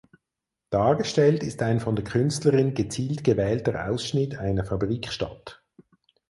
Dargestellt ist ein von der Künstlerin gezielt gewählter Ausschnitt einer "Fabrikstadt".